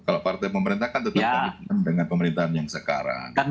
kalau partai pemerintah kan tetap komitmen dengan pemerintahan yang sekarang